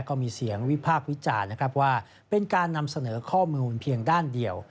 ก็มีเสียงวิพากษ์วิจารณ์นะครับว่าเป็นการนำเสนอข้อมูลเพียงด้านเดียว